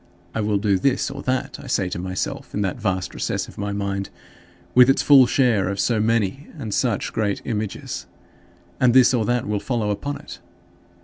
"I will do this or that" I say to myself in that vast recess of my mind, with its full store of so many and such great images "and this or that will follow upon it."